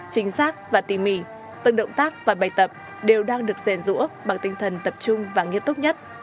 chính xác và tỉ mỉ từng động tác và bài tập đều đang được rèn rũa bằng tinh thần tập trung và nghiêm túc nhất